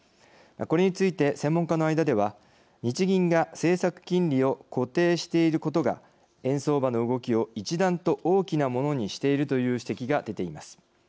これについて専門家の間では日銀が政策金利を固定していることが円相場の動きを一段と大きなものにしているという指摘が出ています。